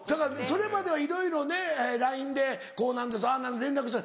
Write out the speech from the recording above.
それまではいろいろねＬＩＮＥでこうなんですああなんです